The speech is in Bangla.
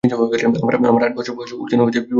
আমার আটবৎসর বয়স উত্তীর্ণ না হইতেই বিবাহ হইয়া গিয়াছিল।